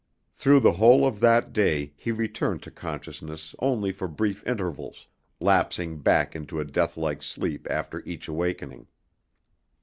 Through the whole of that day he returned to consciousness only for brief intervals, lapsing back into a death like sleep after each awakening.